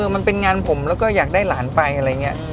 มันเป็นงานผมแล้วก็อยากได้หลานไปอะไรอย่างนี้